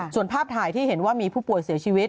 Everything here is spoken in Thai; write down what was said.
ส่วนภาพถ่ายที่เห็นว่ามีผู้ป่วยเสียชีวิต